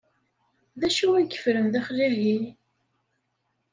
D acu i yeffren daxel-ahi?